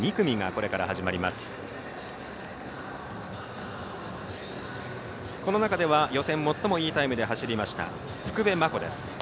この中では予選最もいいタイムで走りました福部真子です。